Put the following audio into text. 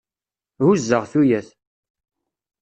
Huzzeɣ tuyat.